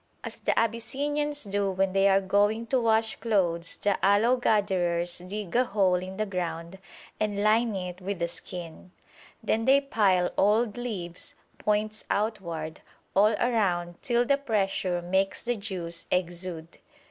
As the Abyssinians do when they are going to wash clothes the aloe gatherers dig a hole in the ground and line it with a skin. Then they pile old leaves, points outward, all round till the pressure makes the juice exude.